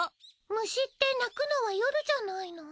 虫って鳴くのは夜じゃないの？